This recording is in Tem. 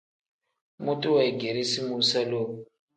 Mutu weegeresi muusa lowu.